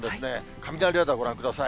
雷レーダーご覧ください。